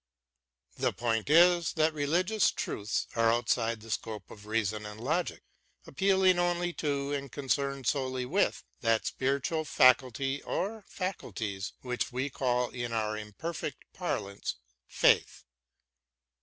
The point is that religious truths are outside the scope of reason and logic, appealing only to, and concerned solely with, that spiritual faculty or faculties which we call in our imperfect parlance faith.